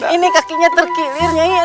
ini kakinya terkilir